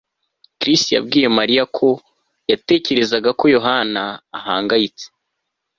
Chris yabwiye Mariya ko yatekerezaga ko Yohana ahangayitse